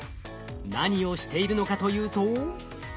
何をしているのかというと。